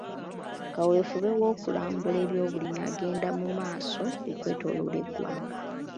Kaweefube w'okulambula eby'obulimi agenda mu maaso okwetooloola eggwanga.